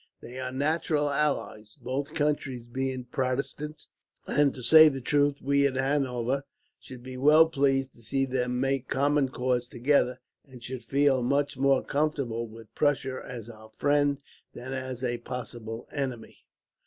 They are natural allies, both countries being Protestant; and to say the truth, we in Hanover should be well pleased to see them make common cause together, and should feel much more comfortable with Prussia as our friend than as a possible enemy.